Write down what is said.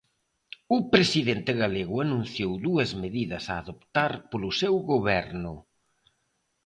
O presidente galego anunciou dúas medidas a adoptar polo seu goberno.